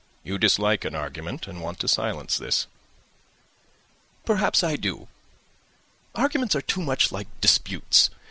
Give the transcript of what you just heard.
"You dislike an argument, and want to silence this." "Perhaps I do. Arguments are too much like disputes.